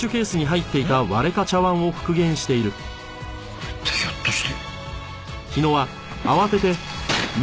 これってひょっとして。